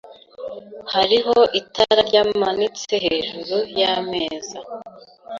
Hariho itara ryamanitse hejuru yameza